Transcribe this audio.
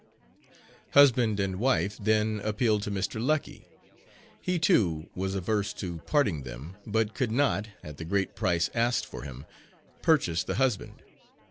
Husband and wife then appealed to Mr. Lucky. He, too, was averse to parting them, but could not, at the great price asked for him, purchase the husband.